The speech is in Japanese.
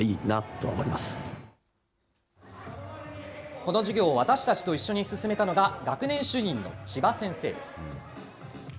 この授業を私たちと一緒に進めたのが、学年主任の千葉先生です。